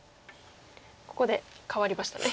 ここで変わりましたね。